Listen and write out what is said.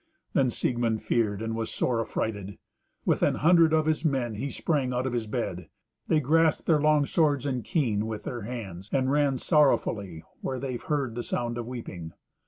Then Siegmund feared and was sore affrighted. With an hundred of his men he sprang out of his bed; they grasped their long swords and keen, with their hands, and ran sorrowfully where they heard the sound of weeping.